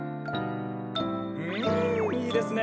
うんいいですね。